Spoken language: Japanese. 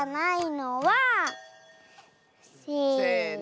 せの。